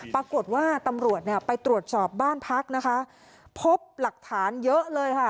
ปรากฏว่าตำรวจเนี่ยไปตรวจสอบบ้านพักนะคะพบหลักฐานเยอะเลยค่ะ